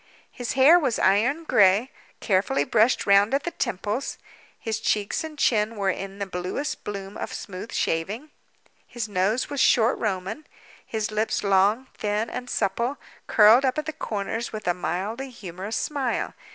His hair was iron gray, carefully brushed round at the temples. His cheeks and chin were in the bluest bloom of smooth shaving; his nose was short Roman; his lips long, thin, and supple, curled up at the corners with a mildly humorous smile.